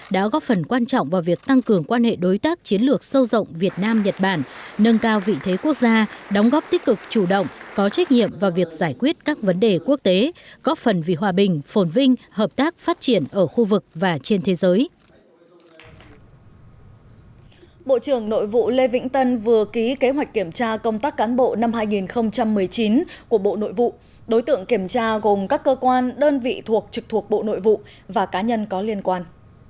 đối tượng kiểm tra gồm các cơ quan đơn vị thuộc trực thuộc bộ nội vụ và cá nhân có liên quan